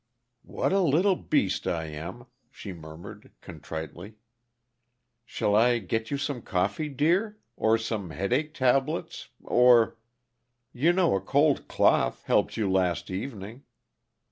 "What a little beast I am!" she murmured contritely. "Shall I get you some coffee, dear? Or some headache tablets, or You know a cold cloth helped you last evening.